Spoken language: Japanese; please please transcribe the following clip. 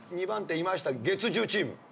２番手いました月１０チーム。